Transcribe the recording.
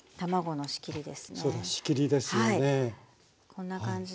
こんな感じで。